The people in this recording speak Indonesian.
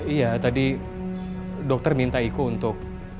iya tadi dokter minta iko untuk